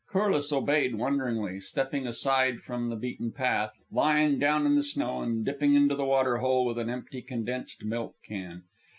Corliss obeyed wonderingly, stepping aside from the beaten path, lying down in the snow, and dipping into the water hole with an empty condensed milk can.